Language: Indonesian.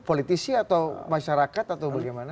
politisi atau masyarakat atau bagaimana